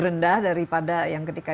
rendah daripada yang ketika